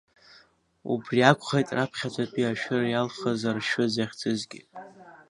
Убри акәхеит раԥхьаӡатәи ашәыр иалхыз аршәы захьӡызгьы.